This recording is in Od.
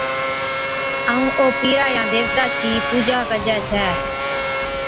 ائُون او پِيرا يا ديوتا چِي پُوڄا ڪَجِي ڇَي